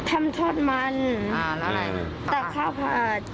ทำทอดมันตักข้าวผัด